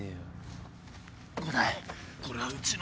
伍代これはうちの。